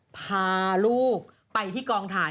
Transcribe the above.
พาลูกไปที่กองถ่าย